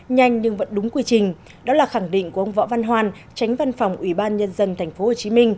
nhanh nhưng vẫn đúng quy trình đó là khẳng định của ông võ văn hoan tránh văn phòng ủy ban nhân dân tp hcm